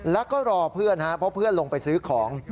แล้วก็รอเพื่อนเพราะเพื่อนลงไปซื้อของ